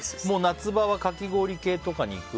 夏場はかき氷系とかに行く？